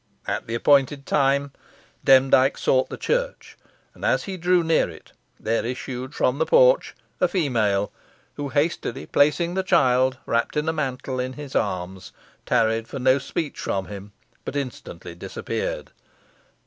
At the appointed time Demdike sought the church, and as he drew near it there issued from the porch a female, who hastily placing the child, wrapped in a mantle, in his arms, tarried for no speech from him, but instantly disappeared.